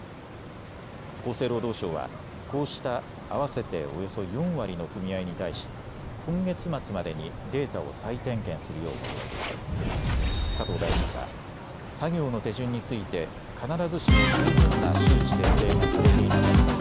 厚生労働省はこうした合わせておよそ４割の組合に対し今月末までにデータを再点検するよう求めていて加藤大臣は作業の手順について必ずしも十分な周知徹底がされていなかった。